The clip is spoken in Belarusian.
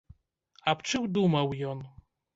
Аб чым думаў ён?